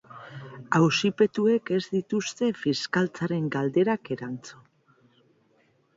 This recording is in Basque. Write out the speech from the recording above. Auzipetuek ez dituzte fiskaltzaren galderak erantzun.